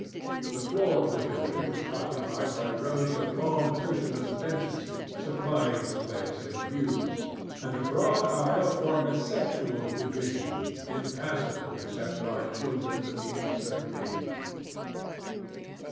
The floor of the building was occupied by rows of long cushionless benches, supplying the place of pews, and the broad aisle formed a sexual division impassable except by children beneath a certain age.